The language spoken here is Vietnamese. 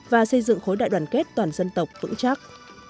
và xây dựng khối đại đoàn kết toàn dân tộc vững chắc